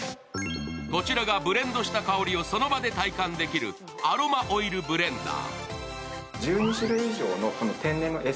こちらがブレンドした香りをその場で体験できるアロマオイルブレンダー。